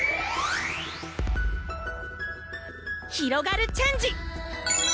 ひろがるチェンジ！